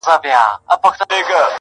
زما رباب کي د یو چا د زلفو تار دی,